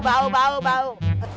bau bau bau